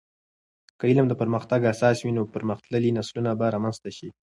که علم د پرمختګ اساس وي، نو پرمختللي نسلونه به رامنځته سي.